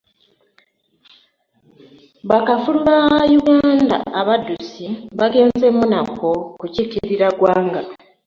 Bakafulu ba Uganda abaddusi bagenze Monaco kukiikirira ggwanga.